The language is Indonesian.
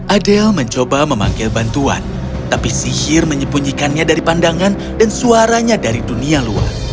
adel mencoba memanggil bantuan tapi sihir menyembunyikannya dari pandangan dan suaranya dari dunia luar